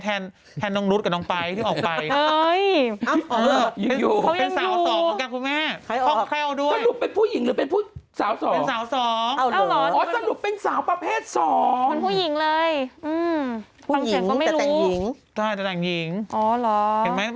แทนน้องรุ๊ดกับน้องปั๊ยที่ออกไป